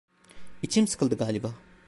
İçim sıkıldı galiba.